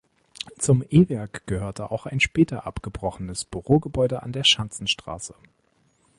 Zum E-Werk gehörte auch ein später abgebrochenes Bürogebäude an der Schanzenstraße.